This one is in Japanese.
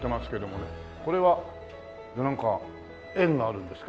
これはなんか縁があるんですか？